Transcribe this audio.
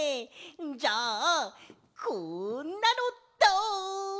じゃあこんなのどう！？